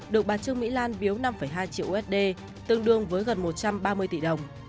được bà trương mỹ lan biếu năm hai triệu usd tương đương với gần một trăm ba mươi tỷ đồng